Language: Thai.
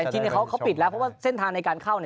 ที่เขาปิดแล้วเพราะว่าเส้นทางในการเข้า